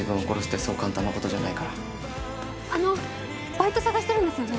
バイト探してるんですよね。